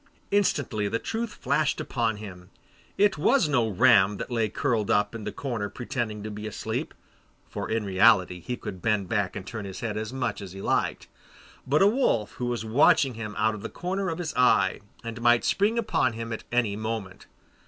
Instantly the truth flashed upon him. It was no ram that lay curled up in the corner pretending to be asleep (for in reality he could bend back and turn his head as much as he liked), but a wolf who was watching him out of the corner of his eye, and might spring upon him at any moment.